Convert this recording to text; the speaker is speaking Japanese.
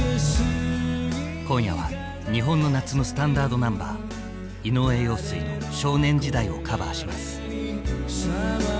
今夜は日本の夏のスタンダードナンバー井上陽水の「少年時代」をカバーします。